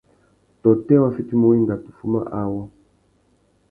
Tôtê wa fitimú wenga tu fuma awô.